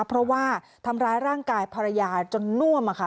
เพราะว่าทำร้ายร่างกายภรรยาจนน่วมค่ะ